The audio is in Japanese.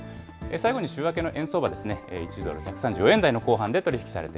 最後に週明けの円相場ですね、１ドル１３４円台後半で取り引きさ